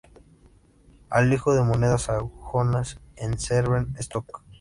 Alijo de monedas sajonas en Severn Stoke